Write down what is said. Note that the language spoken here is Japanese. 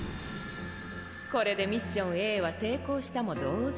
これでミッションＡは成功したも同然。